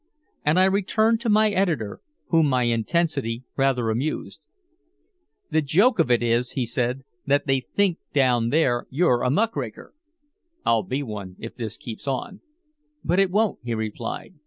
And I returned to my editor, whom my intensity rather amused. "The joke of it is," he said, "that they think down there you're a muckraker." "I'll be one soon if this keeps on." "But it won't," he replied.